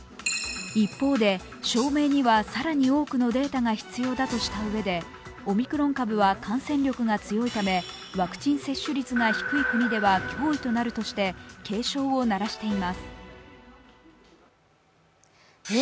一方で、証明には更に多くのデータが必要だとしたうえでオミクロン株は感染力が強いためワクチン接種率が低い国では脅威となるとして警鐘を鳴らしています。